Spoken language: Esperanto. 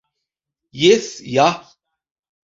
Jes, ja.